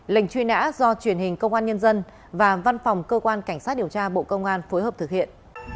lệnh truy nã do truyền hình công an nhân dân và văn phòng cơ quan cảnh sát điều tra bộ công an phối hợp thực hiện